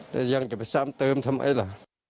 แต่ยังจะไปซ้ำเติมทำไมล่ะ